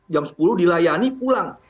jam sepuluh dilayani pulang